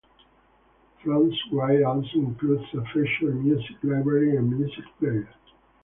FrostWire also includes a featured Music Library and Music Player.